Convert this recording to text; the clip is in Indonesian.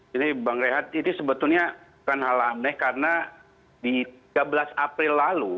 jadi bang rehat ini sebetulnya bukan hal amneh karena di tiga belas april lalu